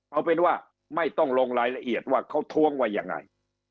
เอาเป็นว่าไม่ต้องลงรายละเอียดว่าเขาท้วงว่ายังไง